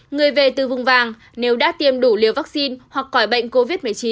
người về từ vùng vàng nếu đã tiêm đủ liều vaccine hoặc khỏi bệnh covid một mươi chín